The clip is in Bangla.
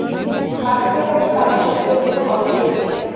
পাঠকের কাছে তাতা শব্দের কোনো অর্থই নাই।